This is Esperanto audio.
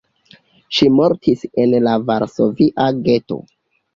Ŝi mortis en la varsovia geto.